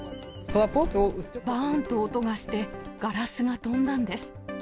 ばーんと音がして、ガラスが飛んだんです。